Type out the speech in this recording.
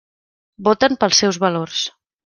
Voten pels seus valors.